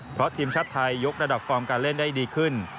เพราะทีมชาติไทยยกระดับฟอร์มการเล่นได้ดีขึ้น